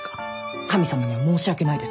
神様には申し訳ないですけど。